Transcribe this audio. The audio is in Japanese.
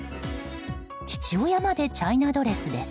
父親までチャイナドレスです！